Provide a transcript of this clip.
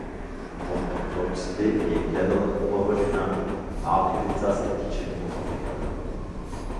От прозорците й е гледала хубава жена и малки деца са тичали по пътеката.